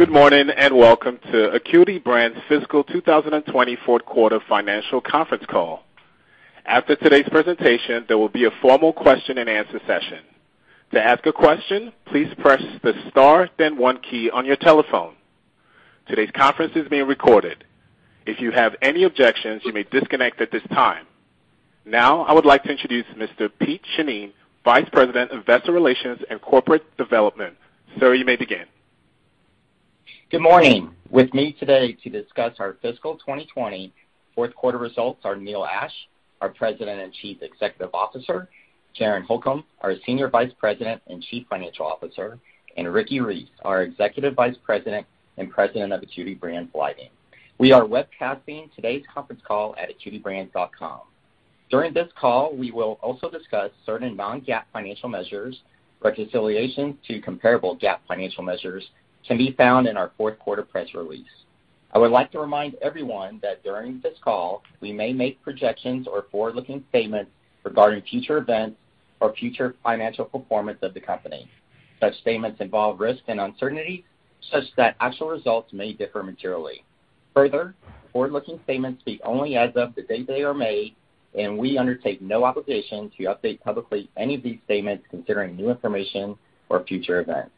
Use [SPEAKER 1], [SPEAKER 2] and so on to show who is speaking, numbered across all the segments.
[SPEAKER 1] Good morning, welcome to Acuity Brands' Fiscal 2020 Q4 financial conference call. After today's presentation, there will be a formal question and answer session. To ask a question, please press the star, then one key on your telephone. Today's conference is being recorded. If you have any objections, you may disconnect at this time. I would like to introduce Mr. Pete Shannin, Vice President of Investor Relations and Corporate Development. Sir, you may begin.
[SPEAKER 2] Good morning. With me today to discuss our fiscal 2020 Q4 results are Neil Ashe, our President and Chief Executive Officer, Karen Holcom, our Senior Vice President and Chief Financial Officer, and Ricky Reece, our Executive Vice President and President of Acuity Brands Lighting. We are webcasting today's conference call at acuitybrands.com. During this call, we will also discuss certain non-GAAP financial measures. Reconciliation to comparable GAAP financial measures can be found in our Q4 press release. I would like to remind everyone that during this call; we may make projections or forward-looking statements regarding future events or future financial performance of the company. Such statements involve risks and uncertainties such that actual results may differ materially. Further, forward-looking statements speak only as of the day they are made, and we undertake no obligation to update publicly any of these statements considering new information or future events.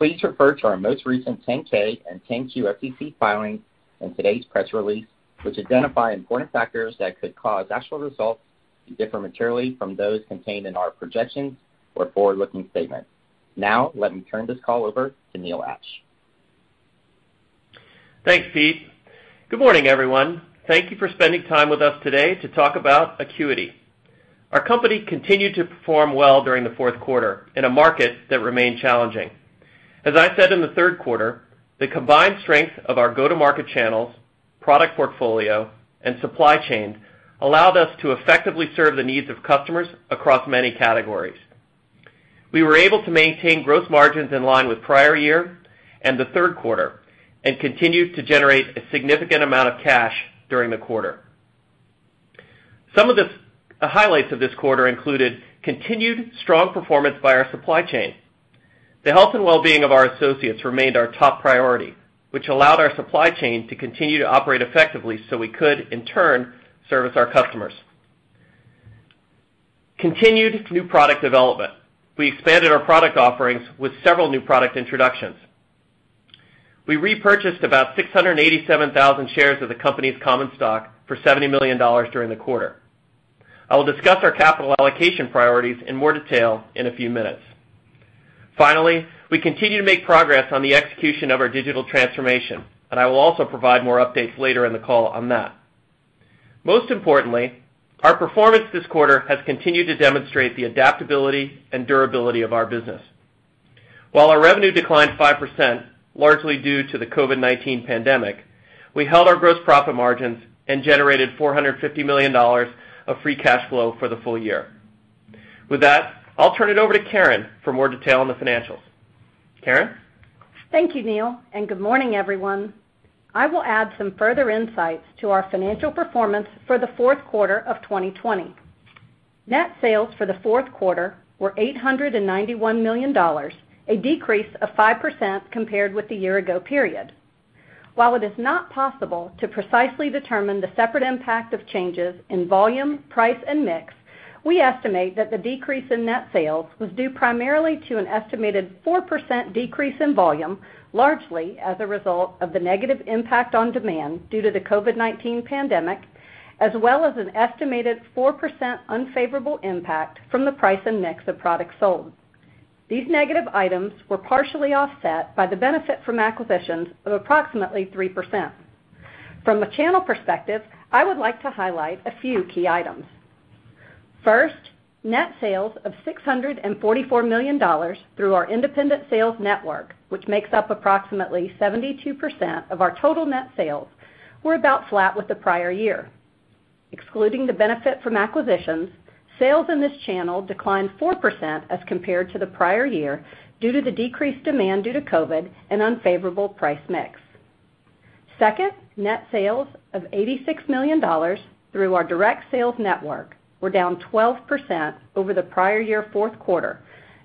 [SPEAKER 2] Please refer to our most recent 10-K and 10-Q SEC filings and today's press release, which identify important factors that could cause actual results to differ materially from those contained in our projections or forward-looking statements. Now, let me turn this call over to Neil Ashe.
[SPEAKER 3] Thanks, Pete. Good morning, everyone. Thank you for spending time with us today to talk about Acuity. Our company continued to perform well during the Q4 in a market that remained challenging. As I said in the Q3, the combined strength of our go-to-market channels, product portfolio, and supply chain allowed us to effectively serve the needs of customers across many categories. We were able to maintain gross margins in line with prior year and the Q3 and continued to generate a significant amount of cash during the quarter. Some of the highlights of this quarter included continued strong performance by our supply chain. The health and wellbeing of our associates remained our top priority, which allowed our supply chain to continue to operate effectively so we could, in turn, service our customers. Continued new product development. We expanded our product offerings with several new product introductions. We repurchased about 687,000 shares of the company's common stock for $70 million during the quarter. I will discuss our capital allocation priorities in more detail in a few minutes. Finally, we continue to make progress on the execution of our digital transformation, and I will also provide more updates later in the call on that. Most importantly, our performance this quarter has continued to demonstrate the adaptability and durability of our business. While our revenue declined 5%, largely due to the COVID-19 pandemic, we held our gross profit margins and generated $450 million of free cash flow for the full year. With that, I'll turn it over to Karen for more detail on the financials. Karen?
[SPEAKER 4] Thank you, Neil, and good morning, everyone. I will add some further insights to our financial performance for the Q4 of 2020. Net sales for the Q4 were $891 million, a decrease of 5% compared with the year ago period. While it is not possible to precisely determine the separate impact of changes in volume, price, and mix, we estimate that the decrease in net sales was due primarily to an estimated 4% decrease in volume, largely as a result of the negative impact on demand due to the COVID-19 pandemic, as well as an estimated 4% unfavorable impact from the price and mix of products sold. These negative items were partially offset by the benefit from acquisitions of approximately 3%. From a channel perspective, I would like to highlight a few key items. First, net sales of $644 million through our independent sales network, which makes up approximately 72% of our total net sales, were about flat with the prior year. Excluding the benefit from acquisitions, sales in this channel declined 4% as compared to the prior year due to the decreased demand due to COVID and unfavorable price mix. Second, net sales of $86 million through our direct sales network were down 12% over the prior year Q4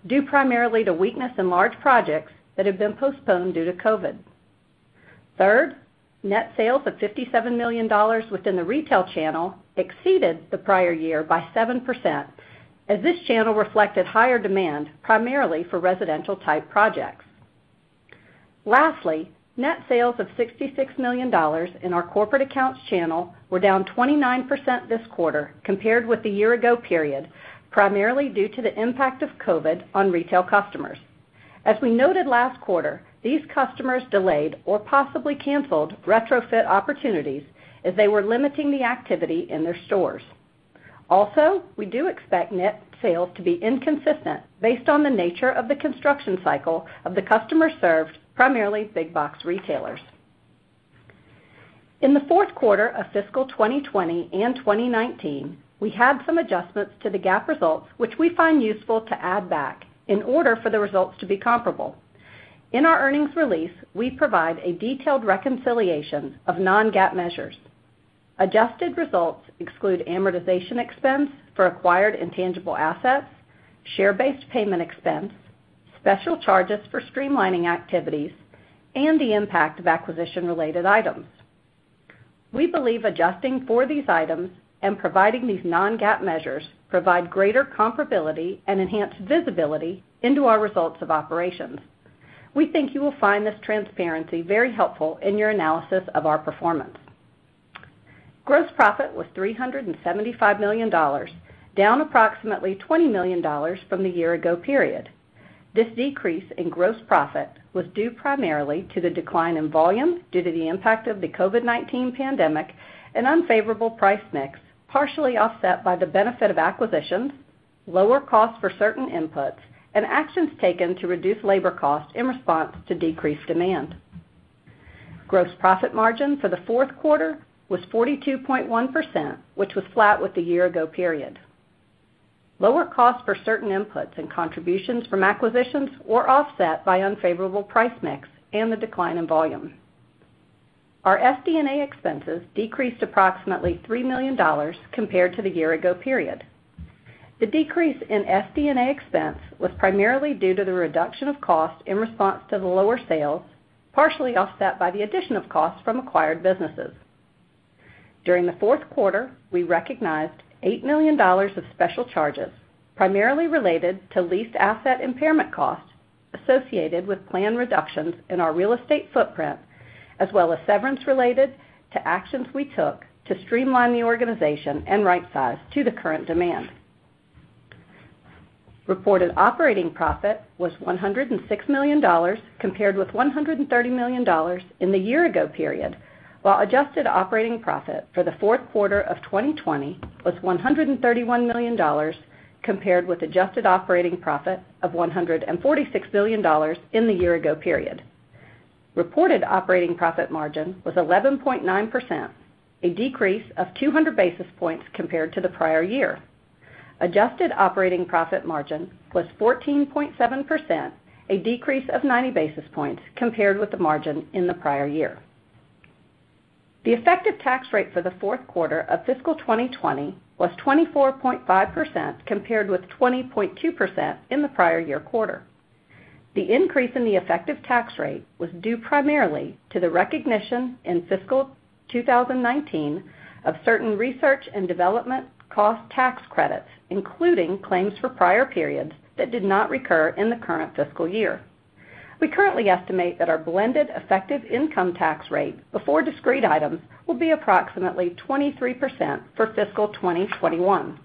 [SPEAKER 4] due primarily to weakness in large projects that have been postponed due to COVID. Third, net sales of $57 million within the retail channel exceeded the prior year by 7% as this channel reflected higher demand, primarily for residential-type projects. Lastly, net sales of $66 million in our corporate accounts channel were down 29% this quarter compared with the year ago period, primarily due to the impact of COVID on retail customers. As we noted last quarter, these customers delayed or possibly canceled retrofit opportunities as they were limiting the activity in their stores. we do expect net sales to be inconsistent based on the nature of the construction cycle of the customers served, primarily big box retailers. In the Q4 of fiscal 2020 and 2019, we had some adjustments to the GAAP results, which we find useful to add back in order for the results to be comparable. In our earnings release, we provide a detailed reconciliation of non-GAAP measures. Adjusted results exclude amortization expense for acquired intangible assets, share-based payment expense, special charges for streamlining activities, and the impact of acquisition-related items. We believe adjusting for these items and providing these non-GAAP measures provide greater comparability and enhance visibility into our results of operations. We think you will find this transparency very helpful in your analysis of our performance. Gross profit was $375 million, down approximately $20 million from the year ago period. This decrease in gross profit was due primarily to the decline in volume due to the impact of the COVID-19 pandemic and unfavorable price mix, partially offset by the benefit of acquisitions, lower costs for certain inputs, and actions taken to reduce labor costs in response to decreased demand. Gross profit margin for the Q4 was 42.1%, which was flat with the year ago period. Lower costs for certain inputs and contributions from acquisitions were offset by unfavorable price mix and the decline in volume. Our SG&A expenses decreased approximately $3 million compared to the year ago period. The decrease in SG&A expense was primarily due to the reduction of cost in response to the lower sales, partially offset by the addition of costs from acquired businesses. During the Q4, we recognized $8 million of special charges, primarily related to leased asset impairment costs associated with planned reductions in our real estate footprint, as well as severance related to actions we took to streamline the organization and right size to the current demand. Reported operating profit was $106 million, compared with $130 million in the year ago period, while adjusted operating profit for the Q4 of 2020 was $131 million, compared with adjusted operating profit of $146 million in the year ago period. Reported operating profit margin was 11.9%, a decrease of 200-basis points compared to the prior year. Adjusted operating profit margin was 14.7%, a decrease of 90-basis points compared with the margin in the prior year. The effective tax rate for the Q4 of fiscal 2020 was 24.5%, compared with 20.2% in the prior year quarter. The increase in the effective tax rate was due primarily to the recognition in fiscal 2019 of certain research and development cost tax credits, including claims for prior periods that did not recur in the current fiscal year. We currently estimate that our blended effective income tax rate before discrete items will be approximately 23% for fiscal 2021.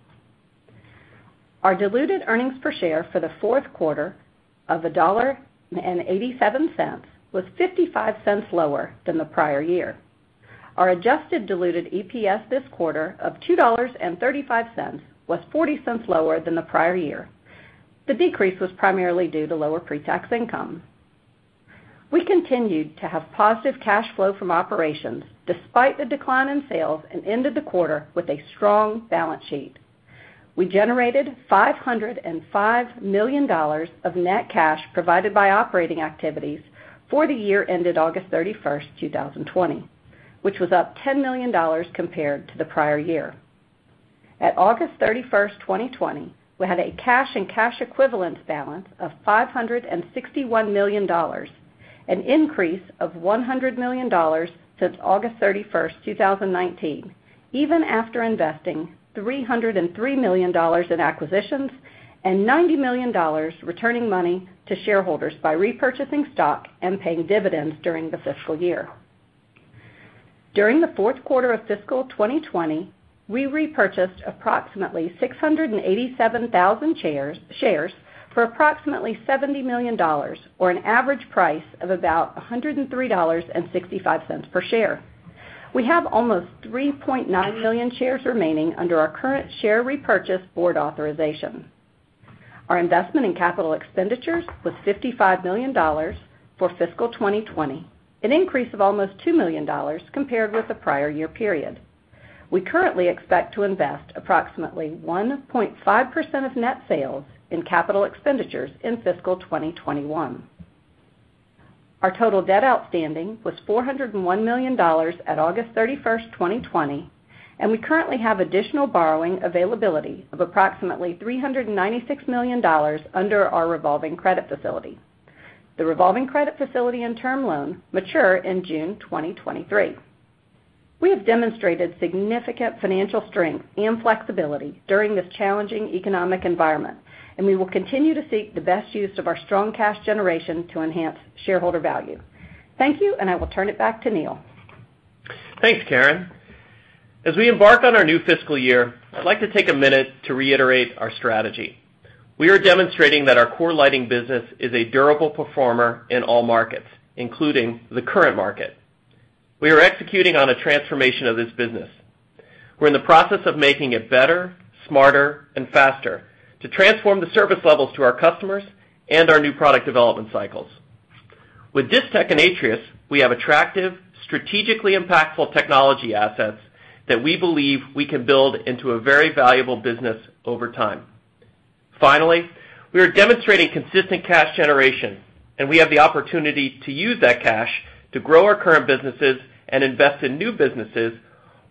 [SPEAKER 4] Our diluted earnings per share for the Q4 of $1.87 was $0.55 lower than the prior year. Our adjusted diluted EPS this quarter of $2.35 was $0.40 lower than the prior year. The decrease was primarily due to lower pre-tax income. We continued to have positive cash flow from operations despite the decline in sales and ended the quarter with a strong balance sheet. We generated $505 million of net cash provided by operating activities for the year ended August 31st, 2020, which was up $10 million compared to the prior year. On August 31st, 2020, we had a cash and cash equivalents balance of $561 million, an increase of $100 million since August 31st, 2019, even after investing $303 million in acquisitions and $90 million returning money to shareholders by repurchasing stock and paying dividends during the fiscal year. During the Q4 of fiscal 2020, we repurchased approximately 687,000 shares for approximately $70 million, or an average price of about $103.65 per share. We have almost 3.9 million shares remaining under our current share repurchase board authorization. Our investment in capital expenditures was $55 million for fiscal 2020, an increase of almost $2 million compared with the prior year period. We currently expect to invest approximately 1.5% of net sales in CapEx in fiscal 2021. Our total debt outstanding was $401 million on August 31, 2020, and we currently have additional borrowing availability of approximately $396 million under our revolving credit facility. The revolving credit facility and term loan mature in June 2023. We have demonstrated significant financial strength and flexibility during this challenging economic environment, and we will continue to seek the best use of our strong cash generation to enhance shareholder value. Thank you, and I will turn it back to Neil.
[SPEAKER 3] Thanks, Karen. As we embark on our new fiscal year, I'd like to take a minute to reiterate our strategy. We are demonstrating that our core lighting business is a durable performer in all markets, including the current market. We are executing on a transformation of this business. We're in the process of making it better, smarter, and faster to transform the service levels to our customers and our new product development cycles. With Distech and Atrius, we have attractive, strategically impactful technology assets that we believe we can build into a very valuable business over time. Finally, we are demonstrating consistent cash generation, and we have the opportunity to use that cash to grow our current businesses and invest in new businesses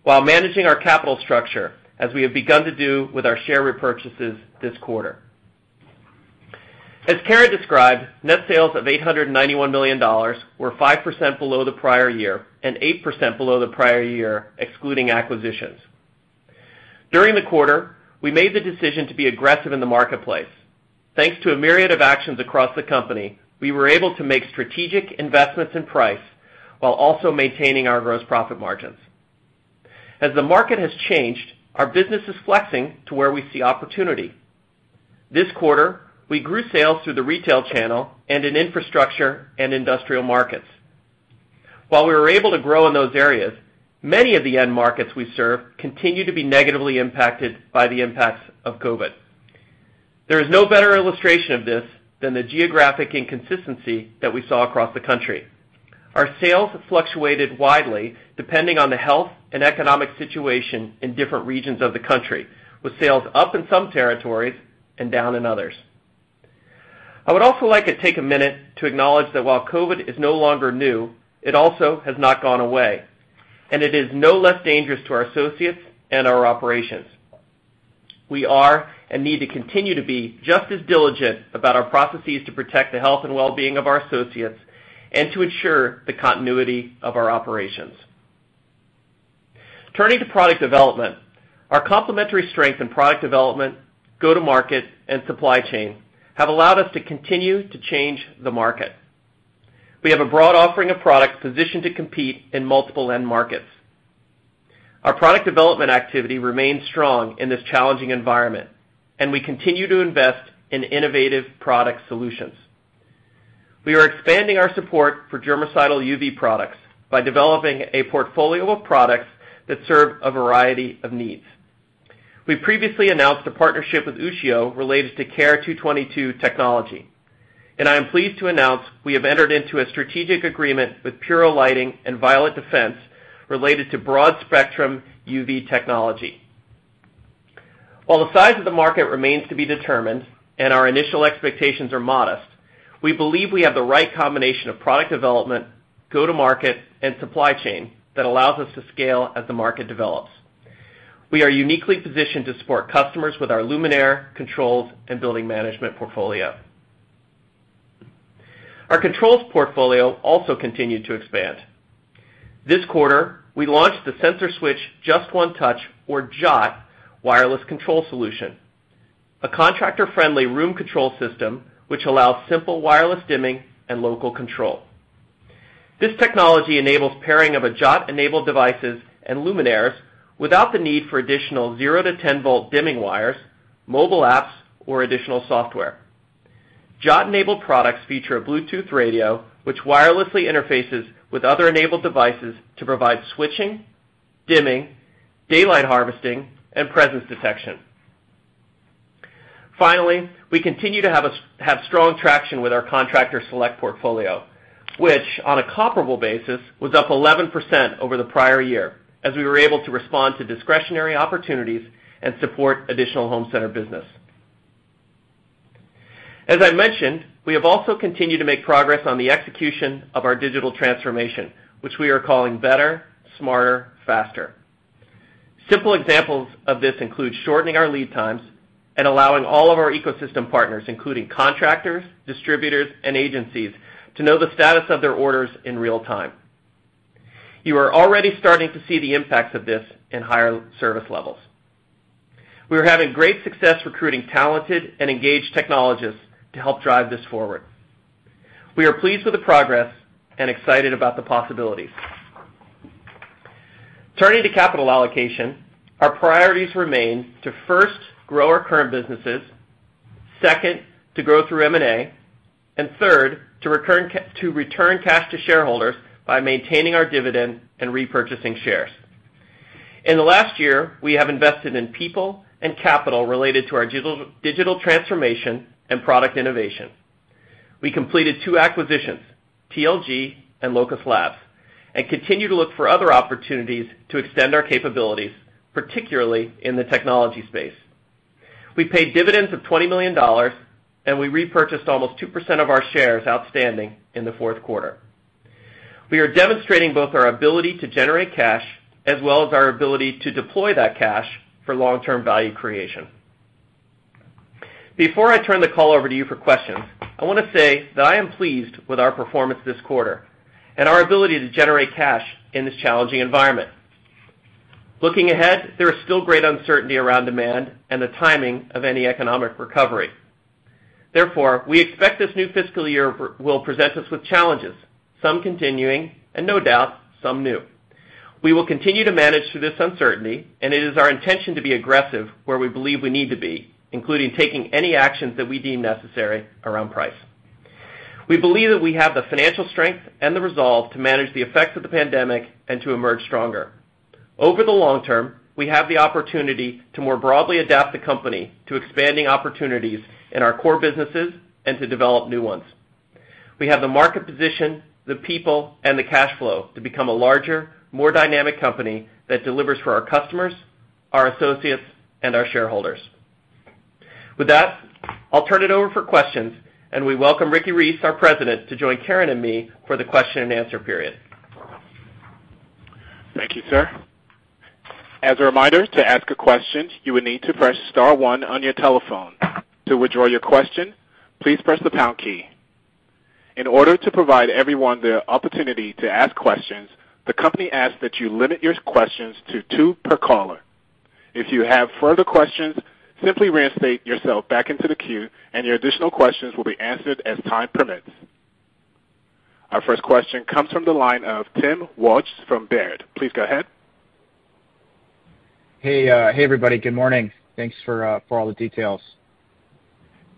[SPEAKER 3] while managing our capital structure as we have begun to do with our share repurchases this quarter. As Karen described, net sales of $891 million were 5% below the prior year and 8% below the prior year, excluding acquisitions. During the quarter, we made the decision to be aggressive in the marketplace. Thanks to a myriad of actions across the company, we were able to make strategic investments in price while also maintaining our gross profit margins. As the market has changed, our business is flexing to where we see opportunity. This quarter, we grew sales through the retail channel and in infrastructure and industrial markets. While we were able to grow in those areas, many of the end markets we serve continue to be negatively impacted by the impacts of COVID. There is no better illustration of this than the geographic inconsistency that we saw across the country. Our sales have fluctuated widely depending on the health and economic situation in different regions of the country, with sales up in some territories and down in others. I would also like to take a minute to acknowledge that while COVID is no longer new, it also has not gone away, and it is no less dangerous to our associates and our operations. We are and need to continue to be just as diligent about our processes to protect the health and wellbeing of our associates and to ensure the continuity of our operations. Turning to product development, our complementary strength in product development, go-to-market, and supply chain have allowed us to continue to change the market. We have a broad offering of products positioned to compete in multiple end markets. Our product development activity remains strong in this challenging environment, and we continue to invest in innovative product solutions. We are expanding our support for germicidal UV products by developing a portfolio of products that serve a variety of needs. We previously announced a partnership with Ushio related to Care222 technology, and I am pleased to announce we have entered into a strategic agreement with Puro Lighting and Violet Defense related to broad-spectrum UV technology. While the size of the market remains to be determined and our initial expectations are modest, we believe we have the right combination of product development, go-to-market, and supply chain that allows us to scale as the market develops. We are uniquely positioned to support customers with our luminaire, controls, and building management portfolio. Our controls portfolio also continued to expand. This quarter, we launched the SensorSwitch Just One Touch, or JOT, wireless control solution, a contractor-friendly room control system which allows simple wireless dimming and local control. This technology enables pairing of a JOT-enabled devices and luminaires without the need for additional 0-10V dimming wires, mobile apps, or additional software. JOT-enabled products feature a Bluetooth radio which wirelessly interfaces with other enabled devices to provide switching, dimming, daylight harvesting, and presence detection. Finally, we continue to have strong traction with our Contractor Select portfolio, which on a comparable basis was up 11% over the prior year as we were able to respond to discretionary opportunities and support additional home center business. As I mentioned, we have also continued to make progress on the execution of our digital transformation, which we are calling better, smarter, faster. Simple examples of this include shortening our lead times and allowing all of our ecosystem partners, including contractors, distributors, and agencies, to know the status of their orders in real time. You are already starting to see the impacts of this in higher service levels. We are having great success recruiting talented and engaged technologists to help drive this forward. We are pleased with the progress and excited about the possibilities. Turning to capital allocation, our priorities remain to first grow our current businesses, second, to grow through M&A, and third, to return cash to shareholders by maintaining our dividend and repurchasing shares. In the last year, we have invested in people and capital related to our digital transformation and product innovation. We completed two acquisitions, TLG and LocusLabs, and continue to look for other opportunities to extend our capabilities, particularly in the technology space. We paid dividends of $20 million, and we repurchased almost 2% of our shares outstanding in the Q4. We are demonstrating both our ability to generate cash as well as our ability to deploy that cash for long-term value creation. Before I turn the call over to you for questions, I want to say that I am pleased with our performance this quarter and our ability to generate cash in this challenging environment. Looking ahead, there is still great uncertainty around demand and the timing of any economic recovery. We expect this new fiscal year will present us with challenges, some continuing and no doubt, some new. We will continue to manage through this uncertainty, and it is our intention to be aggressive where we believe we need to be, including taking any actions that we deem necessary around price. We believe that we have the financial strength and the resolve to manage the effects of the pandemic and to emerge stronger. Over the long term, we have the opportunity to more broadly adapt the company to expanding opportunities in our core businesses and to develop new ones. We have the market position, the people, and the cash flow to become a larger, more dynamic company that delivers for our customers, our associates, and our shareholders. With that, I'll turn it over for questions, and we welcome Ricky Reece, our President, to join Karen and me for the question-and-answer period.
[SPEAKER 1] Thank you, sir. As a reminder, to ask a question, you will need to press star one on your telephone. To withdraw your question, please press the pound key. In order to provide everyone the opportunity to ask questions, the company asks that you limit your questions to two per caller. If you have further questions, simply reinstate yourself back into the queue and your additional questions will be answered as time permits. Our first question comes from the line of Timothy Wojs from Baird. Please go ahead.
[SPEAKER 5] Hey, everybody. Good morning. Thanks for all the details.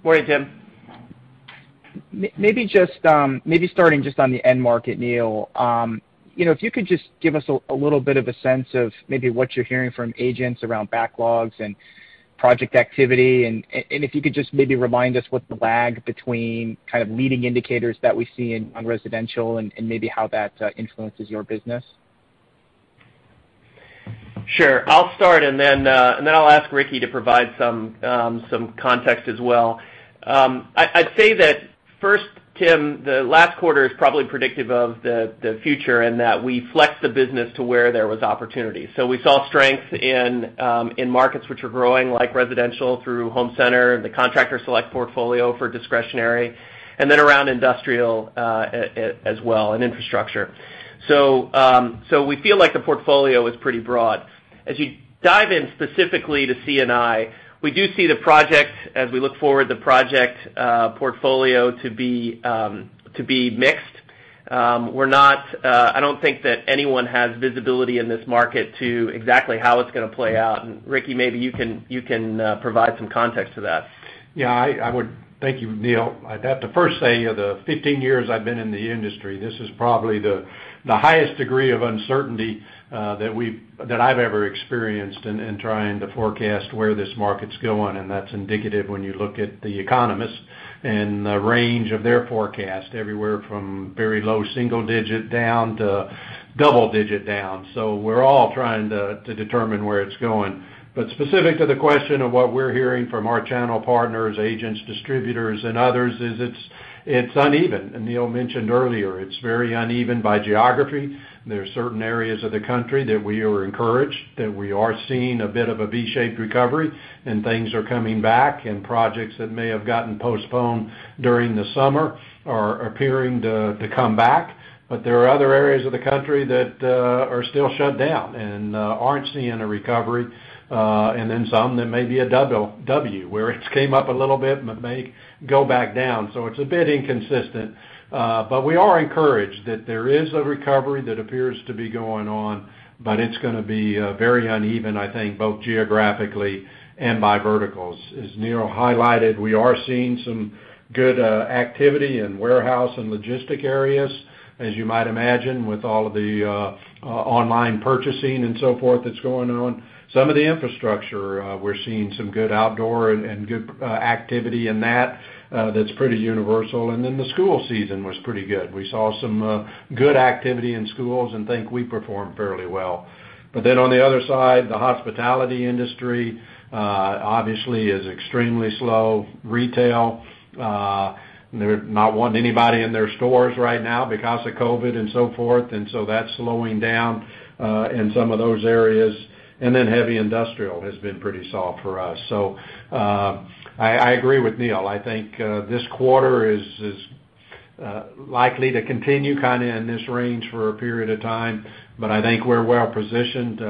[SPEAKER 3] Morning, Tim.
[SPEAKER 5] Maybe starting just on the end market, Neil. If you could just give us a little bit of a sense of maybe what you're hearing from agents around backlogs and project activity, and if you could just maybe remind us what the lag between kind of leading indicators that we see on residential and maybe how that influences your business?
[SPEAKER 3] Sure. I'll start and then I'll ask Ricky to provide some context as well. I'd say that first, Tim, the last quarter is probably predictive of the future and that we flexed the business to where there was opportunity. We saw strength in markets which are growing like residential through home center, the contractor select portfolio for discretionary, and then around industrial as well, and infrastructure. We feel like the portfolio is pretty broad. As you dive in specifically to C&I, we do see the project, as we look forward, the project portfolio to be mixed. I don't think that anyone has visibility in this market to exactly how it's going to play out, and Ricky, maybe you can provide some context to that.
[SPEAKER 6] Yeah, I would. Thank you, Neil. I'd have to first say, the 15 years I've been in the industry, this is probably the highest degree of uncertainty that I've ever experienced in trying to forecast where this market's going, and that's indicative when you look at the economists and the range of their forecast, everywhere from very low single digit down to double digit down. We're all trying to determine where it's going. Specific to the question of what we're hearing from our channel partners, agents, distributors, and others is it's uneven. Neil mentioned earlier, it's very uneven by geography. There are certain areas of the country that we are encouraged, that we are seeing a bit of a V-shaped recovery, and things are coming back, and projects that may have gotten postponed during the summer are appearing to come back. There are other areas of the country that are still shut down and aren't seeing a recovery. Some that may be a W, where it's came up a little bit, but may go back down. It's a bit inconsistent. We are encouraged that there is a recovery that appears to be going on, but it's going to be very uneven, I think, both geographically and by verticals. As Neil highlighted, we are seeing some good activity in warehouse and logistic areas. As you might imagine, with all of the online purchasing and so forth that's going on. Some of the infrastructure, we're seeing some good outdoor and good activity in that that's pretty universal. The school season was pretty good. We saw some good activity in schools and think we performed fairly well. On the other side, the hospitality industry, obviously is extremely slow retail. They're not wanting anybody in their stores right now because of COVID and so forth, and so that's slowing down in some of those areas. Heavy industrial has been pretty soft for us. I agree with Neil. I think this quarter is likely to continue kind of in this range for a period of time, but I think we're well-positioned.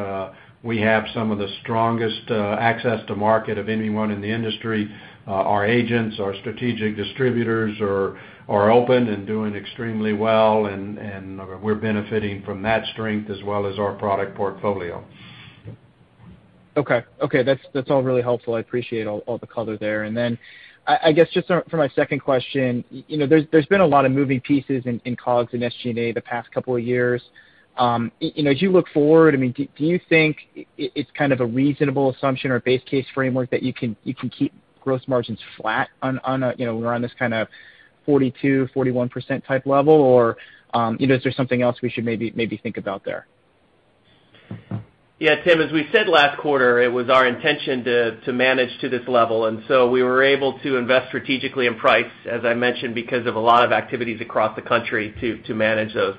[SPEAKER 6] We have some of the strongest access to market of anyone in the industry. Our agents, our strategic distributors are open and doing extremely well, and we're benefiting from that strength as well as our product portfolio.
[SPEAKER 5] Okay. That's all really helpful. I appreciate all the color there. I guess just for my second question, there's been a lot of moving pieces in COGS and SG&A the past couple of years. As you look forward, do you think it's kind of a reasonable assumption or base case framework that you can keep gross margins flat around this kind of 42, 41% type level, or is there something else we should maybe think about there?
[SPEAKER 3] Yeah, Tim, as we said last quarter, it was our intention to manage to this level, and so we were able to invest strategically in price, as I mentioned, because of a lot of activities across the country to manage those.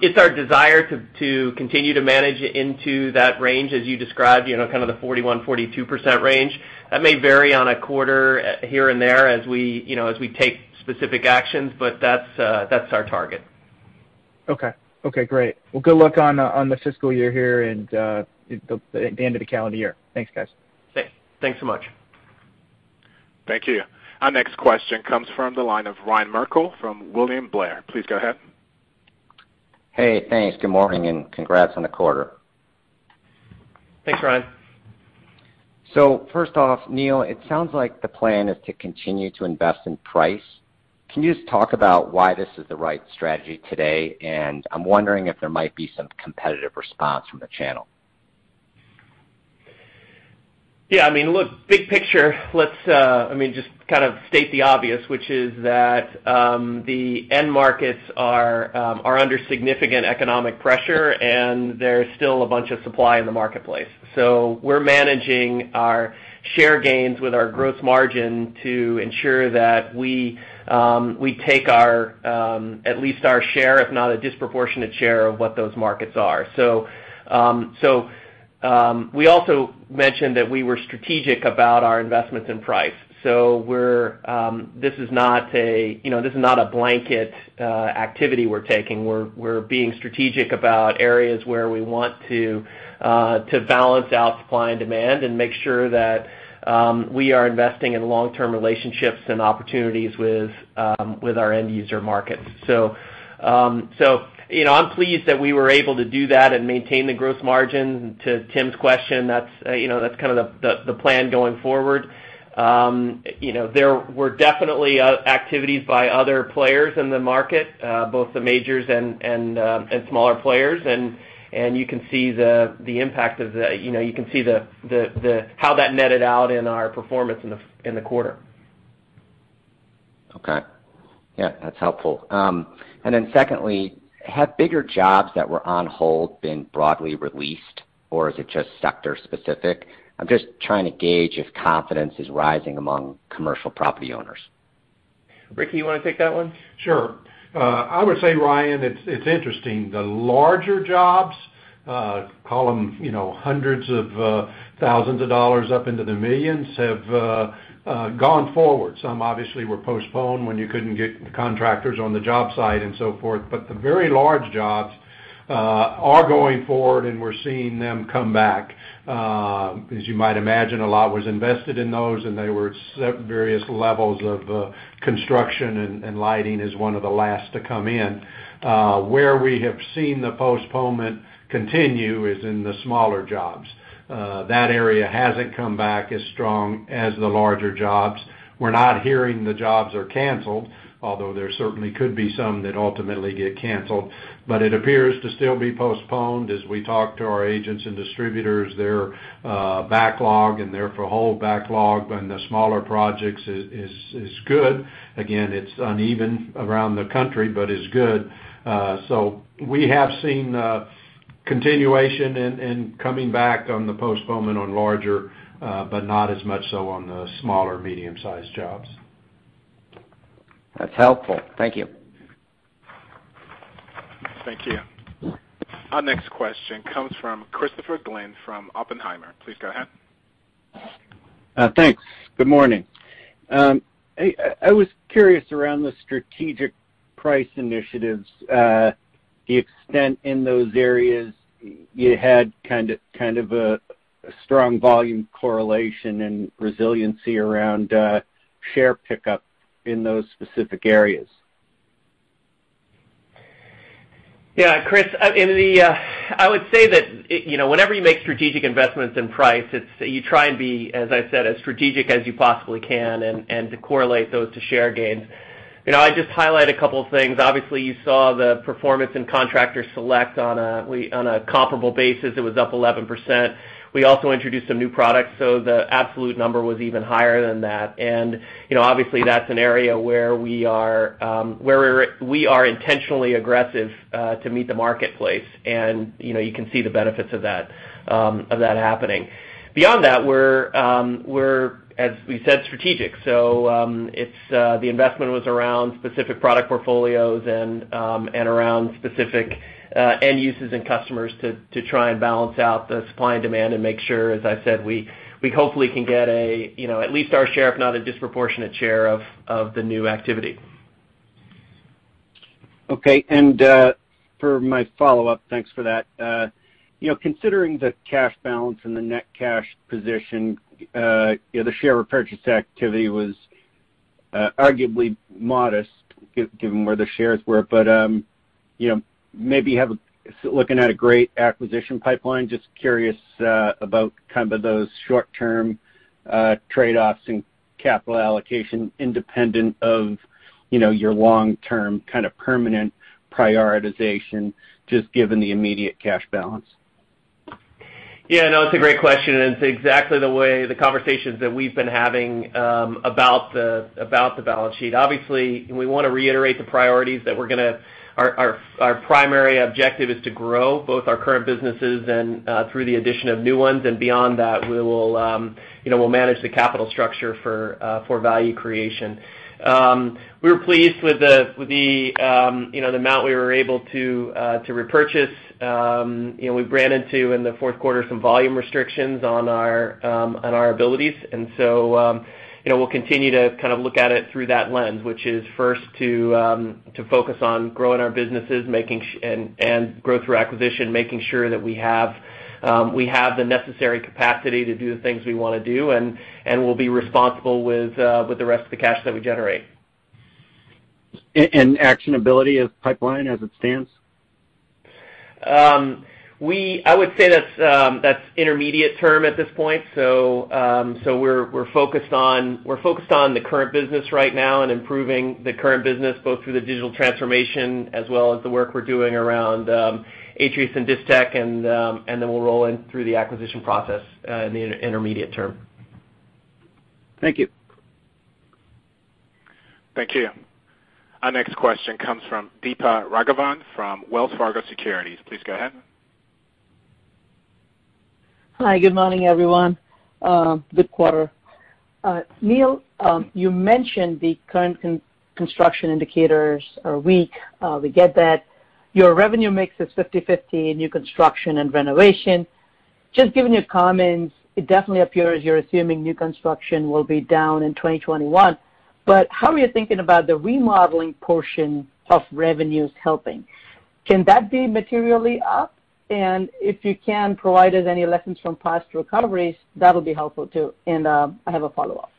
[SPEAKER 3] It's our desire to continue to manage into that range, as you described, kind of the 41%-42% range. That may vary on a quarter here and there as we take specific actions, but that's our target.
[SPEAKER 5] Okay. Great. Well, good luck on the fiscal year here and the end of the calendar year. Thanks, guys.
[SPEAKER 3] Thanks so much.
[SPEAKER 1] Thank you. Our next question comes from the line of Ryan Merkel from William Blair. Please go ahead.
[SPEAKER 7] Hey, thanks. Good morning, and congrats on the quarter.
[SPEAKER 3] Thanks, Ryan.
[SPEAKER 7] first off, Neil, it sounds like the plan is to continue to invest in price. Can you just talk about why this is the right strategy today? I'm wondering if there might be some competitive response from the channel.
[SPEAKER 3] Yeah, look, big picture, let's just state the obvious, which is that the end markets are under significant economic pressure, and there's still a bunch of supply in the marketplace. We're managing our share gains with our gross margin to ensure that we take at least our share, if not a disproportionate share, of what those markets are. We also mentioned that we were strategic about our investments in price. This is not a blanket activity we're taking. We're being strategic about areas where we want to balance out supply and demand and make sure that we are investing in long-term relationships and opportunities with our end user markets. I'm pleased that we were able to do that and maintain the gross margin. To Tim's question, that's kind of the plan going forward. There were definitely activities by other players in the market, both the majors and smaller players, and you can see how that netted out in our performance in the quarter.
[SPEAKER 7] Okay. Yeah, that's helpful. Secondly, have bigger jobs that were on hold been broadly released, or is it just sector-specific? I'm just trying to gauge if confidence is rising among commercial property owners.
[SPEAKER 3] Ricky, you want to take that one?
[SPEAKER 6] Sure. I would say, Ryan, it's interesting. The larger jobs, call them hundreds of thousands of dollars up into the millions, have gone forward. Some obviously were postponed when you couldn't get contractors on the job site and so forth. The very large jobs are going forward, and we're seeing them come back. As you might imagine, a lot was invested in those, and they were at various levels of construction, and lighting is one of the last to come in. Where we have seen the postponement continue is in the smaller jobs. That area hasn't come back as strong as the larger jobs. We're not hearing the jobs are canceled, although there certainly could be some that ultimately get canceled. It appears to still be postponed as we talk to our agents and distributors, their backlog and their whole backlog on the smaller projects is good. Again, it's uneven around the country, but is good. We have seen a continuation in coming back on the postponement on larger, but not as much so on the small or medium-sized jobs.
[SPEAKER 7] That's helpful. Thank you.
[SPEAKER 3] Thank you.
[SPEAKER 1] Our next question comes from Christopher Glynn from Oppenheimer. Please go ahead.
[SPEAKER 8] Thanks. Good morning. I was curious around the strategic price initiatives, the extent in those areas you had kind of a strong volume correlation and resiliency around share pickup in those specific areas.
[SPEAKER 3] Yeah, Chris, I would say that, whenever you make strategic investments in price, you try and be, as I said, as strategic as you possibly can, and to correlate those to share gains. I'd just highlight a couple of things. Obviously, you saw the performance in Contractor Select on a comparable basis, it was up 11%. We also introduced some new products, so the absolute number was even higher than that. Obviously, that's an area where we are intentionally aggressive to meet the marketplace, and you can see the benefits of that happening. Beyond that, we're, as we said, strategic. The investment was around specific product portfolios and around specific end users and customers to try and balance out the supply and demand and make sure, as I said, we hopefully can get at least our share, if not a disproportionate share, of the new activity.
[SPEAKER 8] Okay, for my follow-up, thanks for that. Considering the cash balance and the net cash position, the share repurchase activity was arguably modest given where the shares were. Maybe looking at a great acquisition pipeline, just curious about kind of those short-term trade-offs in capital allocation independent of your long-term kind of permanent prioritization, just given the immediate cash balance.
[SPEAKER 3] Yeah, no, it's a great question, and it's exactly the way the conversations that we've been having about the balance sheet. Obviously, we want to reiterate the priorities that our primary objective is to grow both our current businesses and through the addition of new ones, and beyond that, we'll manage the capital structure for value creation. We were pleased with the amount we were able to repurchase. We ran into, in the Q4, some volume restrictions on our abilities. We'll continue to kind of look at it through that lens, which is first to focus on growing our businesses and growth through acquisition, making sure that we have the necessary capacity to do the things we want to do, and we'll be responsible with the rest of the cash that we generate.
[SPEAKER 8] Actionability of pipeline as it stands?
[SPEAKER 3] I would say that's intermediate term at this point. We're focused on the current business right now and improving the current business both through the digital transformation as well as the work we're doing around Atrius and Distech, and then we'll roll in through the acquisition process in the intermediate term.
[SPEAKER 8] Thank you.
[SPEAKER 1] Thank you. Our next question comes from Deepa Raghavan from Wells Fargo Securities. Please go ahead.
[SPEAKER 9] Hi. Good morning, everyone. Good quarter. Neil, you mentioned the current construction indicators are weak. We get that. Your revenue mix is 50/50 new construction and renovation. Just given your comments, it definitely appears you're assuming new construction will be down in 2021. How are you thinking about the remodeling portion of revenues helping? Can that be materially up? If you can provide us any lessons from past recoveries, that'll be helpful too. I have a follow-up.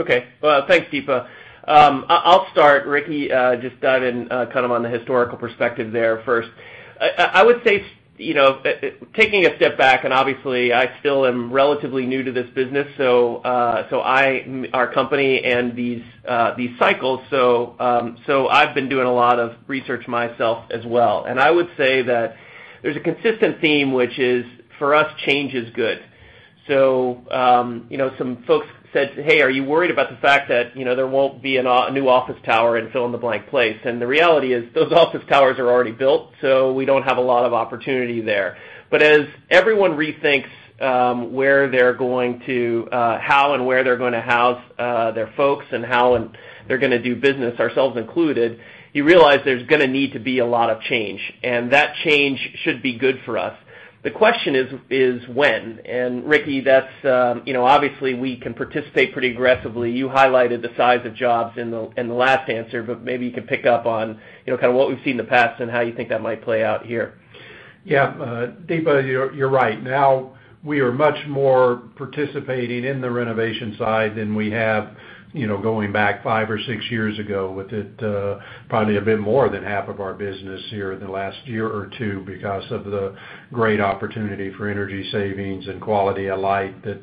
[SPEAKER 3] Okay. Well, thanks, Deepa. I'll start. Ricky, just dive in kind of on the historical perspective there first. I would say, taking a step back, and obviously I still am relatively new to this business, so our company and these cycles, so I've been doing a lot of research myself as well. I would say that there's a consistent theme, which is, for us, change is good. Some folks said, "Hey, are you worried about the fact that there won't be a new office tower in fill-in-the-blank place?" The reality is that office towers are already built, so we don't have a lot of opportunity there. as everyone rethinks how and where they're going to house their folks and how they're going to do business, ourselves included, you realize there's going to need to be a lot of change, and that change should be good for us. The question is, when? Ricky, obviously we can participate pretty aggressively. You highlighted the size of jobs in the last answer, but maybe you could pick up on kind of what we've seen in the past and how you think that might play out here.
[SPEAKER 6] Yeah. Deepa, you're right. Now, we are much more participating in the renovation side than we have going back five or six years ago, with it probably a bit more than half of our business here in the last year or two because of the great opportunity for energy savings and quality of light that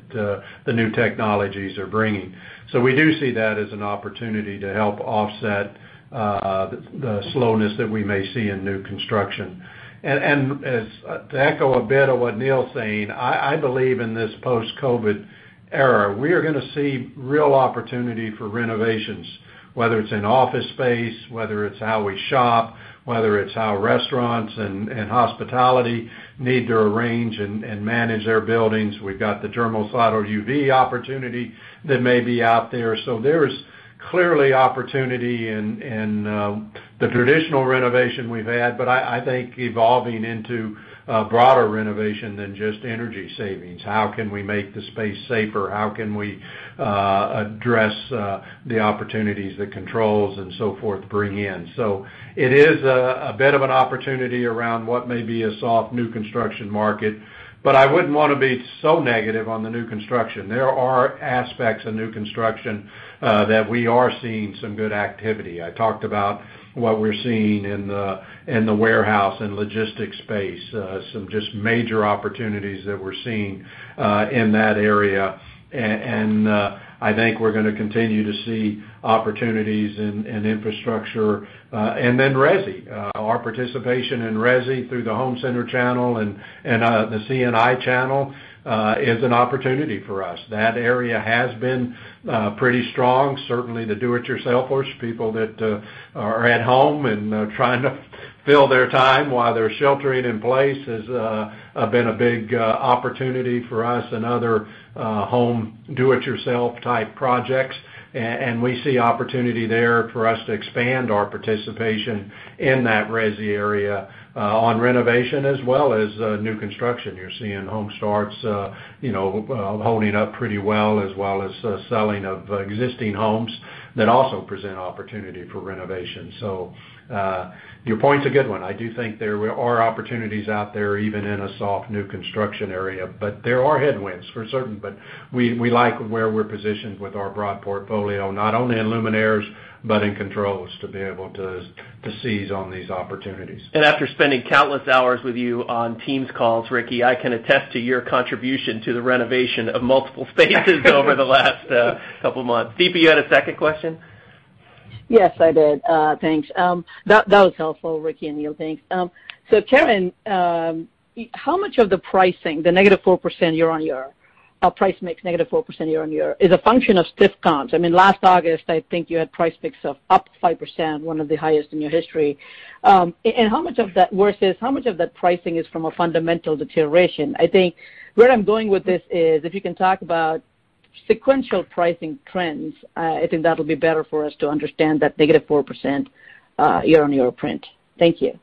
[SPEAKER 6] the new technologies are bringing. We do see that as an opportunity to help offset the slowness that we may see in new construction. To echo a bit of what Neil's saying, I believe in this post-COVID era, we are going to see real opportunity for renovations, whether it's in office space, whether it's how we shop, whether it's how restaurants and hospitality need to arrange and manage their buildings. We've got the germicidal UV opportunity that may be out there. There's clearly opportunity in the traditional renovation we've had, but I think evolving into a broader renovation than just energy savings. How can we make the space safer? How can we address the opportunities that controls and so forth bring in? It is a bit of an opportunity around what may be a soft new construction market, but I wouldn't want to be so negative on the new construction. There are aspects of new construction that we are seeing some good activity. I talked about what we're seeing in the warehouse and logistics space, some just major opportunities that we're seeing in that area. I think we're going to continue to see opportunities in infrastructure. Resi. Our participation in Resi through the home center channel and the C&I channel is an opportunity for us. That area has been pretty strong. Certainly the do-it-yourselfers, people that are at home and trying to fill their time while they're sheltering in place, has been a big opportunity for us and other home do-it-yourself type projects. We see opportunity there for us to expand our participation in that Resi area on renovation as well as new construction. You're seeing home starts holding up pretty well, as well as selling of existing homes that also present opportunity for renovation. Your point's a good one. I do think there are opportunities out there, even in a soft new construction area, but there are headwinds, for certain. We like where we're positioned with our broad portfolio, not only in luminaires, but in controls to be able to seize on these opportunities.
[SPEAKER 3] After spending countless hours with you on Teams calls, Ricky, I can attest to your contribution to the renovation of multiple spaces over the last couple of months. Deepa, you had a second question?
[SPEAKER 9] Yes, I did. Thanks. That was helpful, Ricky and Neil. Thanks. Karen, how much of the pricing, the negative 4% year-over-year, or price mix negative 4% year-over-year, is a function of stiff comps? Last August, I think you had price mix of up 5%, one of the highest in your history. versus, how much of that pricing is from a fundamental deterioration? I think where I'm going with this is if you can talk about sequential pricing trends, I think that'll be better for us to understand that negative 4% year-over-year print. Thank you.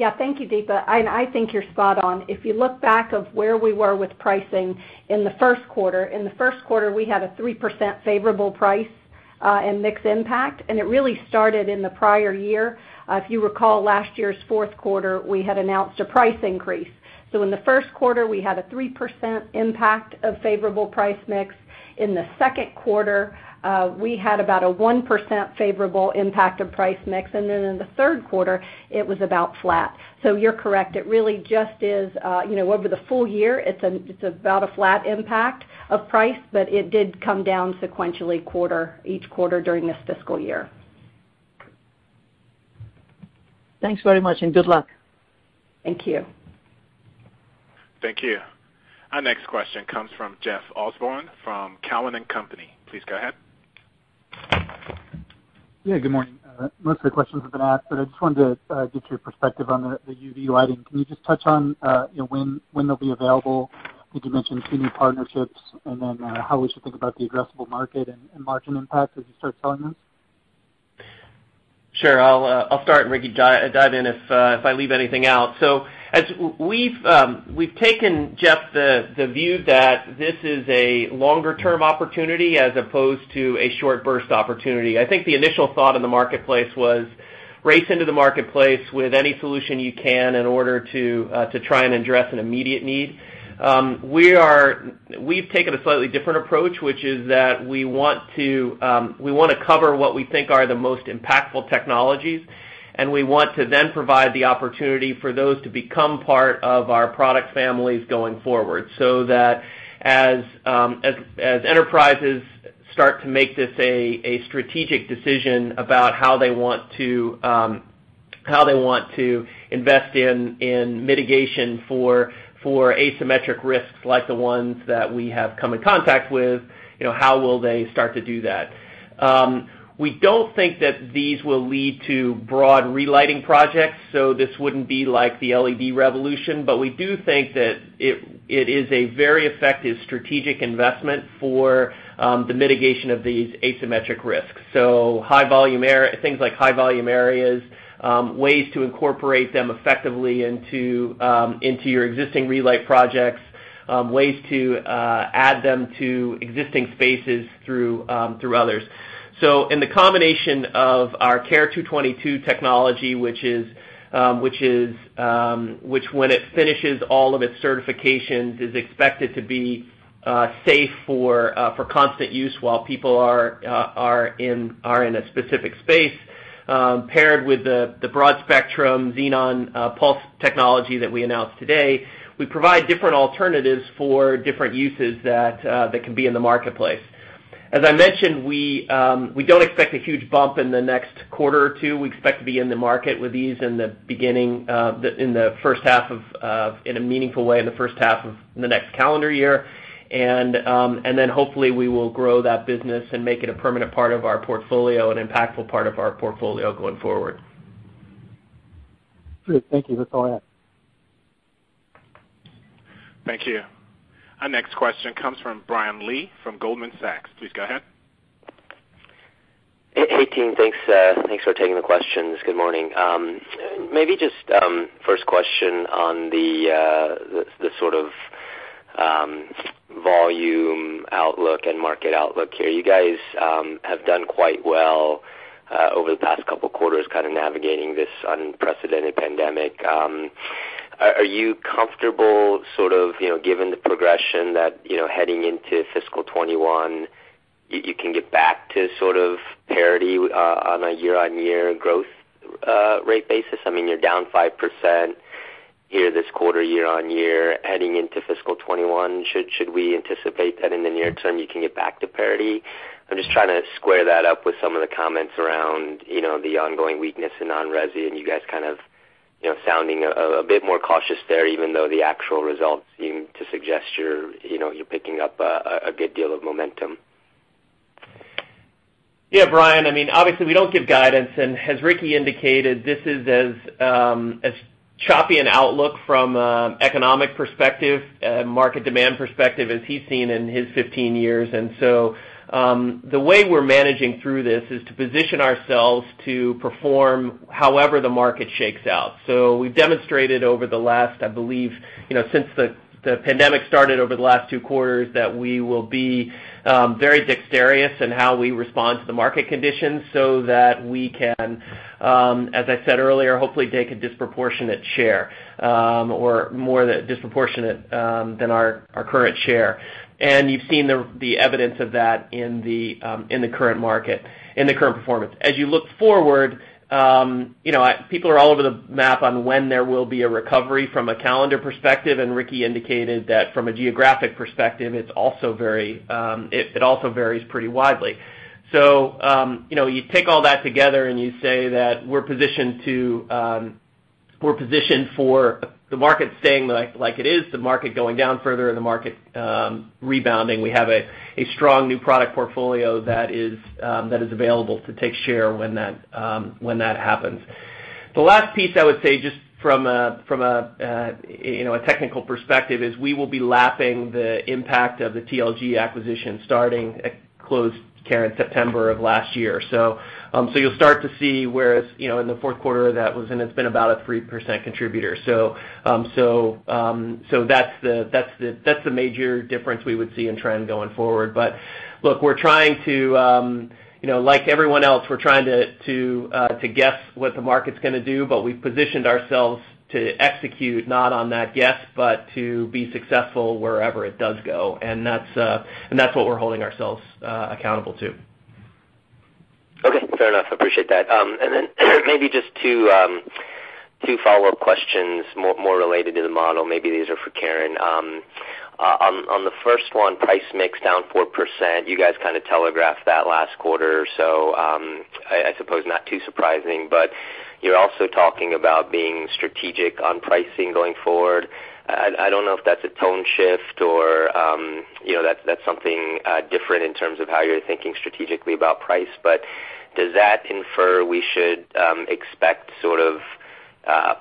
[SPEAKER 4] Yeah. Thank you, Deepa. I think you're spot on. If you look back of where we were with pricing in the Q1, in the Q1, we had a 3% favorable price and mix impact, and it really started in the prior year. If you recall, last year's Q4, we had announced a price increase. In the Q1, we had a 3% impact of favorable price mix. In the Q2, we had about a 1% favorable impact of price mix. In the Q3, it was about flat. You're correct. It really just is, over the full year, it's about a flat impact of price, but it did come down sequentially each quarter during this fiscal year.
[SPEAKER 9] Thanks very much, and good luck.
[SPEAKER 4] Thank you.
[SPEAKER 1] Thank you. Our next question comes from Jeff Osborne from Cowen and Company. Please go ahead.
[SPEAKER 10] Yeah, good morning. Most of the questions have been asked, but I just wanted to get your perspective on the UV lighting. Can you just touch on when they'll be available? I think you mentioned CMI partnerships, and then how we should think about the addressable market and margin impact as you start selling those?
[SPEAKER 3] Sure. I'll start and Ricky, dive in if I leave anything out. We've taken, Jeff, the view that this is a longer-term opportunity as opposed to a short-burst opportunity. I think the initial thought in the marketplace was race into the marketplace with any solution you can in order to try and address an immediate need. We've taken a slightly different approach, which is that we want to cover what we think are the most impactful technologies, and we want to then provide the opportunity for those to become part of our product families going forward. That as enterprises start to make this a strategic decision about how they want to invest in mitigation for asymmetric risks, like the ones that we have come in contact with, how will they start to do that? We don't think that these will lead to broad relighting projects, so this wouldn't be like the LED revolution. We do think that it is a very effective strategic investment for the mitigation of these asymmetric risks. Things like high-volume areas, ways to incorporate them effectively into your existing relight projects, ways to add them to existing spaces through others. In the combination of our Care222 technology, which when it finishes all of its certifications, is expected to be safe for constant use while people are in a specific space, paired with the broad-spectrum xenon pulse technology that we announced today. We provide different alternatives for different uses that can be in the marketplace. As I mentioned, we don't expect a huge bump in the next quarter or two. We expect to be in the market with these in a meaningful way in the first half of the next calendar year. Hopefully we will grow that business and make it a permanent part of our portfolio, an impactful part of our portfolio going forward.
[SPEAKER 10] Great. Thank you. That's all I have.
[SPEAKER 1] Thank you. Our next question comes from Brian Lee from Goldman Sachs. Please go ahead.
[SPEAKER 11] Hey, team. Thanks for taking the questions. Good morning. Maybe just first question on the sort of volume outlook and market outlook here. You guys have done quite well over the past couple of quarters, kind of navigating this unprecedented pandemic. Are you comfortable sort of, given the progression that heading into fiscal '21, you can get back to sort of parity on a year-on-year growth rate basis? I mean, you're down 5% here this quarter year-on-year heading into fiscal '21. Should we anticipate that in the near term you can get back to parity? I'm just trying to square that up with some of the comments around the ongoing weakness in non-Resi, and you guys' kind of sounding a bit more cautious there, even though the actual results seem to suggest you're picking up a good deal of momentum.
[SPEAKER 3] Yeah, Brian, obviously we don't give guidance, and as Ricky indicated, this is as choppy an outlook from an economic perspective, market demand perspective as he's seen in his 15 years. The way we're managing through this is to position ourselves to perform however the market shakes out. We've demonstrated over the last, I believe, since the pandemic started, over the last two quarters, that we will be very dexterous in how we respond to the market conditions so that we can, as I said earlier, hopefully take a disproportionate share, or more disproportionate than our current share. You've seen the evidence of that in the current performance. As you look forward, people are all over the map on when there will be a recovery from a calendar perspective, and Ricky indicated that from a geographic perspective, it also varies pretty widely. You take all that together and you say that we're positioned for the market staying like it is, the market going down further, and the market rebounding. We have a strong new product portfolio that is available to take share when that happens. The last piece I would say, just from a technical perspective, is we will be lapping the impact of the TLG acquisition starting at closed, Karen, September of last year. You'll start to see whereas in the Q4 that was in, it's been about a 3% contributor. That's the major difference we would see in trend going forward. Look, like everyone else, we're trying to guess what the market's going to do, but we've positioned ourselves to execute not on that guess, but to be successful wherever it does go. That's what we're holding ourselves accountable to.
[SPEAKER 11] Okay, fair enough. Appreciate that. Then maybe just two follow-up questions, more related to the model. Maybe these are for Karen. On the first one, price mix down 4%. You guys' kind of telegraphed that last quarter. I suppose not too surprising, but you're also talking about being strategic on pricing going forward. I don't know if that's a tone shift or that's something different in terms of how you're thinking strategically about price, but does that infer we should expect sort of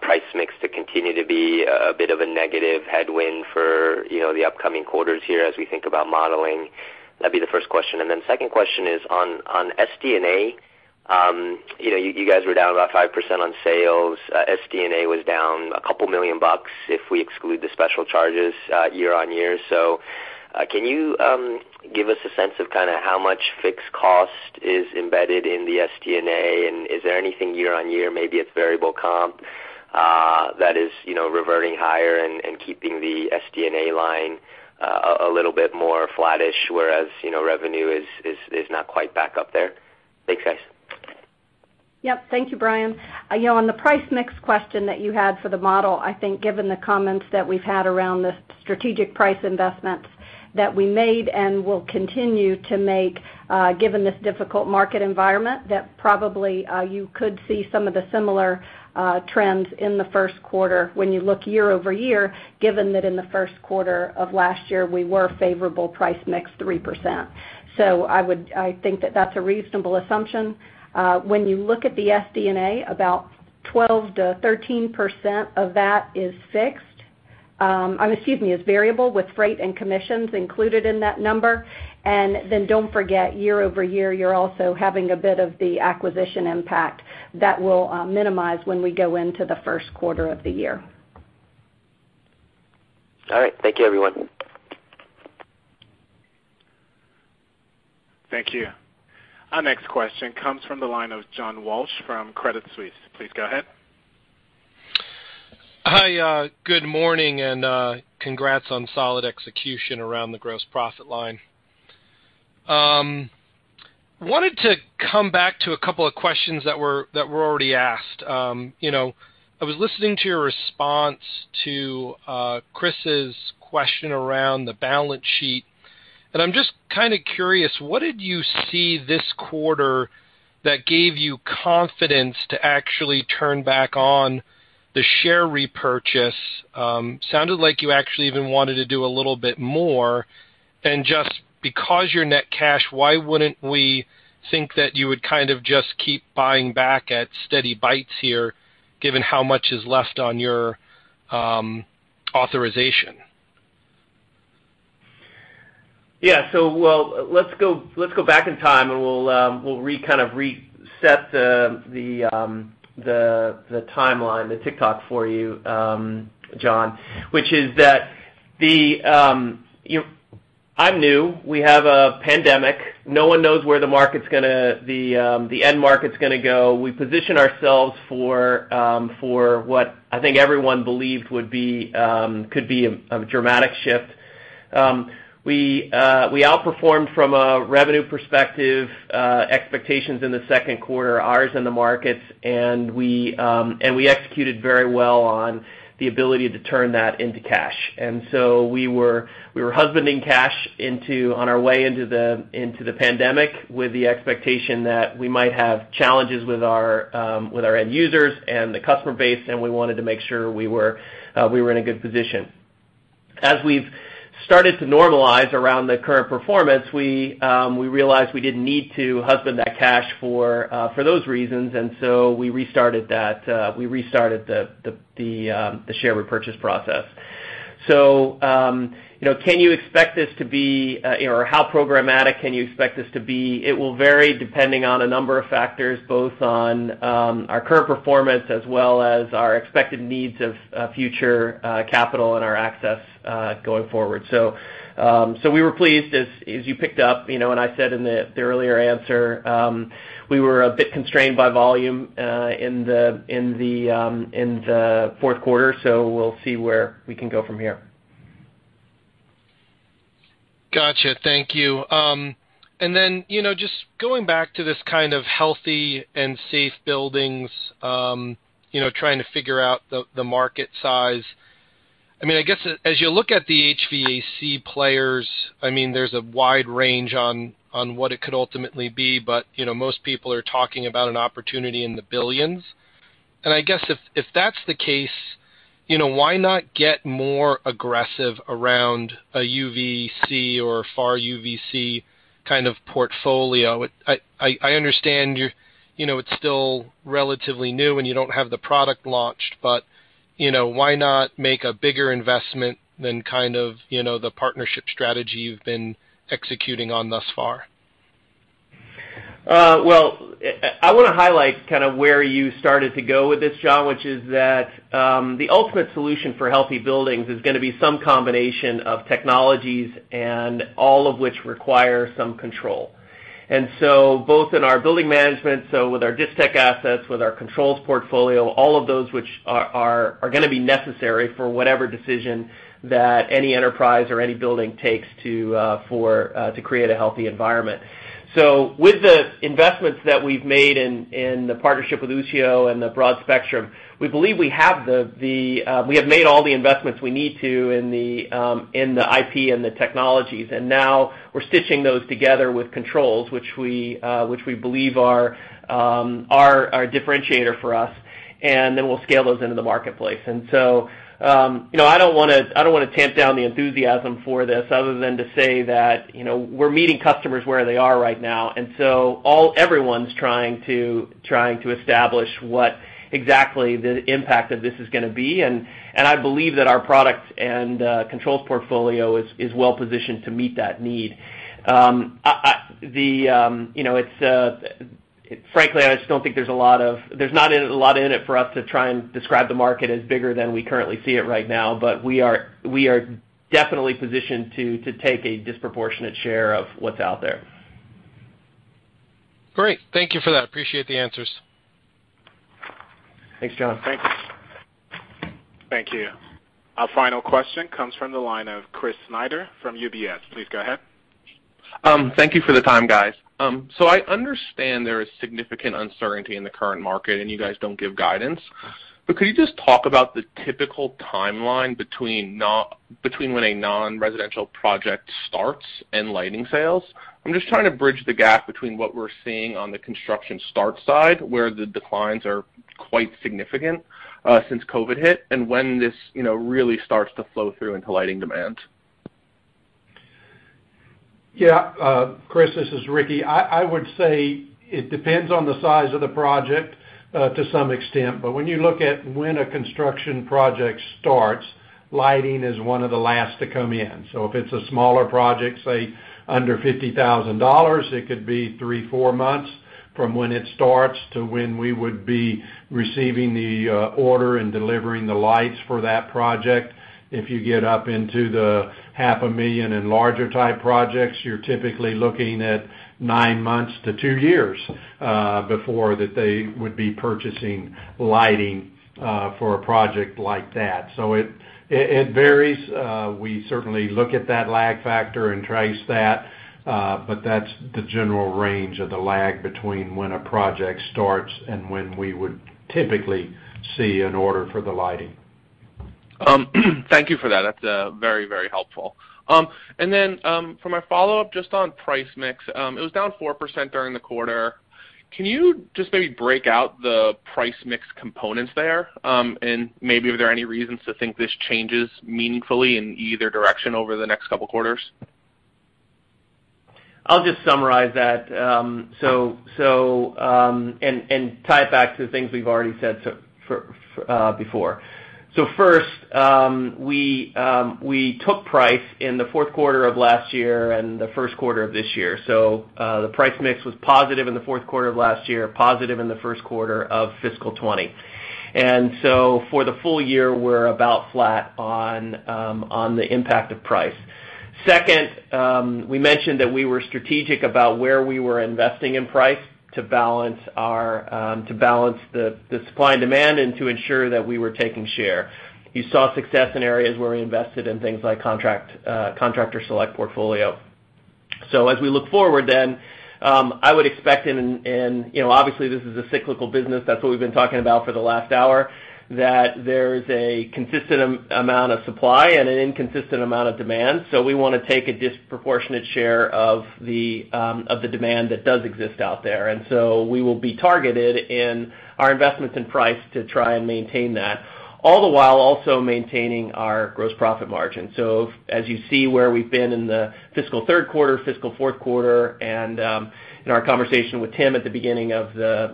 [SPEAKER 11] price mix to continue to be a bit of a negative headwind for the upcoming quarters here as we think about modeling? That'd be the first question. Then second question is on SG&A. You guys were down about 5% on sales. SG&A was down a couple million bucks if we exclude the special charges year on year. Can you give us a sense of how much fixed cost is embedded in the SG&A? Is there anything year-over-year, maybe it's variable comp, that is reverting higher and keeping the SG&A line a little bit more flattish, whereas revenue is not quite back up there? Thanks, guys.
[SPEAKER 4] Yep. Thank you, Brian. On the price mix question that you had for the model, I think given the comments that we've had around the strategic price investments that we made and will continue to make, given this difficult market environment, that probably you could see some of the similar trends in the Q1 when you look year-over-year, given that in the Q1 of last year, we were favorable price mix 3%. I think that that's a reasonable assumption. When you look at the SG&A, about 12%-13% of that is variable with freight and commissions included in that number. Don't forget, year-over-year, you're also having a bit of the acquisition impact that will minimize when we go into the Q1 of the year.
[SPEAKER 11] All right. Thank you, everyone.
[SPEAKER 1] Thank you. Our next question comes from the line of John Walsh from Credit Suisse. Please go ahead.
[SPEAKER 12] Hi, good morning, and congrats on solid execution around the gross profit line. I wanted to come back to a couple of questions that were already asked. I was listening to your response to Chris's question around the balance sheet. I'm just kind of curious, what did you see this quarter that gave you confidence to actually turn back on the share repurchase? It sounded like you actually even wanted to do a little bit more than just because your net cash, why wouldn't we think that you would kind of just keep buying back at steady bites here, given how much is left on your authorization?
[SPEAKER 3] Well, let's go back in time, and we'll kind of reset the timeline, the ticktock for you, John, which is that I'm new. We have a pandemic. No one knows where the end market's going to go. We outperformed from a revenue perspective, expectations in the Q2, ours and the markets, and we executed very well on the ability to turn that into cash. We were husbanding cash on our way into the pandemic with the expectation that we might have challenges with our end users and the customer base, and we wanted to make sure we were in a good position. As we've started to normalize around the current performance, we realized we didn't need to husband that cash for those reasons, and so we restarted the share repurchase process. How programmatic can you expect this to be? It will vary depending on a number of factors, both on our current performance as well as our expected needs of future capital and our access going forward. We were pleased, as you picked up, and I said in the earlier answer, we were a bit constrained by volume in the Q4, so we'll see where we can go from here.
[SPEAKER 12] Gotcha. Thank you. Just going back to this kind of healthy and safe buildings, trying to figure out the market size. I guess, as you look at the HVAC players, there's a wide range on what it could ultimately be, but most people are talking about an opportunity in the billions. I guess if that's the case, why not get more aggressive around a UVC or Far UVC kind of portfolio? I understand it's still relatively new and you don't have the product launched, but why not make a bigger investment than kind of the partnership strategy you've been executing on thus far?
[SPEAKER 3] Well, I want to highlight kind of where you started to go with this, John, which is that the ultimate solution for healthy buildings is going to be some combination of technologies and all of which require some control. Both in our building management, so with our Distech assets, with our controls portfolio, all of those which are going to be necessary for whatever decision that any enterprise or any building takes to create a healthy environment. With the investments that we've made in the partnership with Ushio and the broad spectrum, we believe we have made all the investments we need to in the IP and the technologies. Now we're stitching those together with controls, which we believe are a differentiator for us, and then we'll scale those into the marketplace. I don't want to tamp down the enthusiasm for this other than to say that we're meeting customers where they are right now. Everyone's trying to establish what exactly the impact of this is going to be. I believe that our products and controls portfolio is well-positioned to meet that need. Frankly, I just don't think there's a lot in it for us to try and describe the market as bigger than we currently see it right now. We are definitely positioned to take a disproportionate share of what's out there.
[SPEAKER 12] Great. Thank you for that. Appreciate the answers.
[SPEAKER 3] Thanks, John.
[SPEAKER 1] Thank you. Our final question comes from the line of Christopher Snyder from UBS. Please go ahead.
[SPEAKER 13] Thank you for the time, guys. I understand there is significant uncertainty in the current market, and you guys don't give guidance, but could you just talk about the typical timeline between when a non-residential project starts and lighting sales? I'm just trying to bridge the gap between what we're seeing on the construction start side, where the declines are quite significant since COVID hit, and when this really starts to flow through into lighting demand.
[SPEAKER 6] Chris, this is Ricky. I would say it depends on the size of the project to some extent. When you look at when a construction project starts, lighting is one of the last to come in. If it's a smaller project, say, under $50,000, it could be three, four months from when it starts to when we would be receiving the order and delivering the lights for that project. If you get up into the half a million and larger type projects, you're typically looking at nine months to two years before they would be purchasing lighting for a project like that. It varies. We certainly look at that lag factor and trace that, but that's the general range of the lag between when a project starts and when we would typically see an order for the lighting.
[SPEAKER 13] Thank you for that. That's very helpful. For my follow-up, just on price mix, it was down 4% during the quarter. Can you just maybe break out the price mix components there? Maybe are there any reasons to think this changes meaningfully in either direction over the next couple of quarters?
[SPEAKER 3] I'll just summarize that and tie it back to things we've already said before. First, we took price in the Q4 of last year and the Q1 of this year. The price mix was positive in the Q4 of last year, positive in the Q1 of fiscal 2020. For the full year, we're about flat on the impact of price. Second, we mentioned that we were strategic about where we were investing in price to balance the supply and demand and to ensure that we were taking share. You saw success in areas where we invested in things like Contractor Select portfolio. As we look forward, I would expect, and obviously this is a cyclical business, that's what we've been talking about for the last hour, that there's a consistent amount of supply and an inconsistent amount of demand. we want to take a disproportionate share of the demand that does exist out there. we will be targeted in our investments in price to try and maintain that all the while also maintaining our gross profit margin. as you see where we've been in the fiscal Q3, fiscal Q4, and in our conversation with Tim at the beginning of the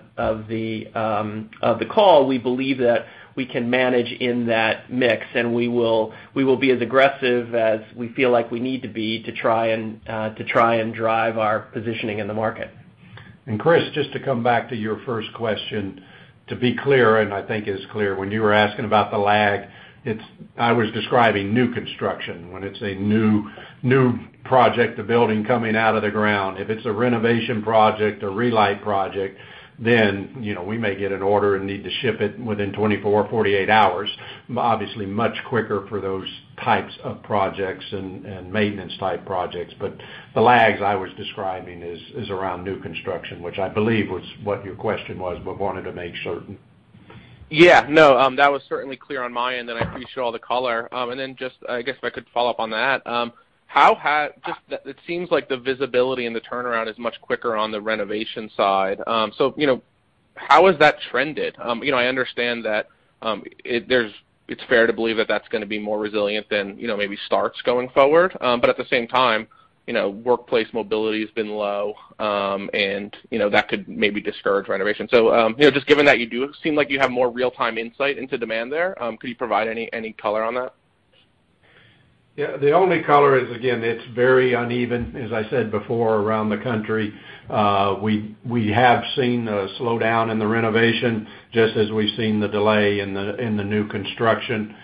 [SPEAKER 3] call, we believe that we can manage in that mix, and we will be as aggressive as we feel like we need to be to try and drive our positioning in the market.
[SPEAKER 6] Chris, just to come back to your first question, to be clear, and I think it is clear, when you were asking about the lag, I was describing new construction. When it's a new project, a building coming out of the ground. If it's a renovation project, a relight project, then we may get an order and need to ship it within 24, 48 hours. Obviously much quicker for those types of projects and maintenance type projects. The lags I was describing is around new construction, which I believe was what your question was, but wanted to make certain.
[SPEAKER 13] Yeah, no, that was certainly clear on my end, and I appreciate all the color. then just, I guess, if I could follow up on that. It seems like the visibility and the turnaround is much quicker on the renovation side. how has that trended? I understand that it's fair to believe that that's going to be more resilient than maybe starts going forward. at the same time, workplace mobility has been low, and that could maybe discourage renovation. just given that you do seem like you have more real-time insight into demand there, could you provide any color on that?
[SPEAKER 6] Yeah, the only color is, again, it's very uneven, as I said before, around the country. We have seen a slowdown in the renovation, just as we've seen the delay in the new construction.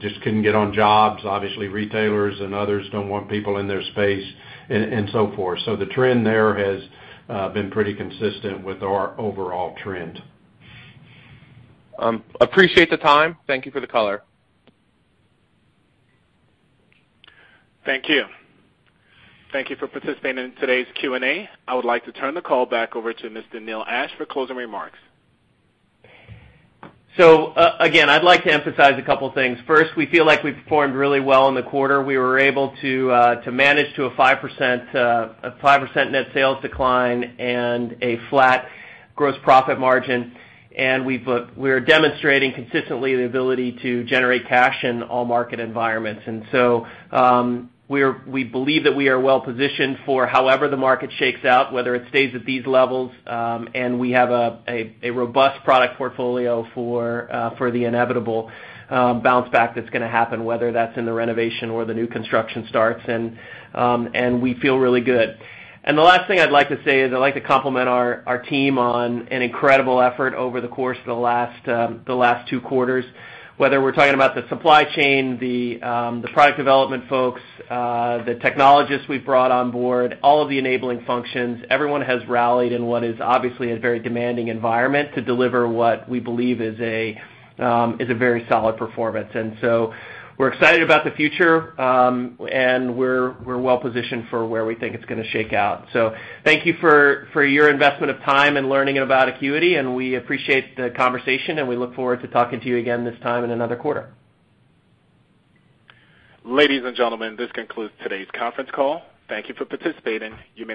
[SPEAKER 6] Just couldn't get on jobs. Obviously, retailers and others don't want people in their space and so forth. The trend there has been pretty consistent with our overall trend.
[SPEAKER 13] Appreciate the time. Thank you for the color.
[SPEAKER 1] Thank you. Thank you for participating in today's Q&A. I would like to turn the call back over to Mr. Neil Ashe for closing remarks.
[SPEAKER 3] Again, I'd like to emphasize a couple of things. First, we feel like we performed really well in the quarter. We were able to manage to a 5% net sales decline and a flat gross profit margin. We're demonstrating consistently the ability to generate cash in all market environments. We believe that we are well-positioned for however the market shakes out, whether it stays at these levels, and we have a robust product portfolio for the inevitable bounce back that's going to happen, whether that's in the renovation or the new construction starts, and we feel really good. The last thing I'd like to say is I'd like to complement our team on an incredible effort over the course of the last two quarters. Whether we're talking about the supply chain, the product development folks, the technologists we've brought on board, all of the enabling functions, everyone has rallied in what is obviously a very demanding environment to deliver what we believe is a very solid performance. We're excited about the future, and we're well-positioned for where we think it's going to shake out. Thank you for your investment of time and learning about Acuity, and we appreciate the conversation, and we look forward to talking to you again this time in another quarter.
[SPEAKER 1] Ladies and gentlemen, this concludes today's conference call. Thank you for participating. You may disconnect.